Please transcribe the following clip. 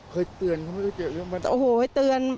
เคยเตือนเขาไม่เคยเจ็บเงินไหม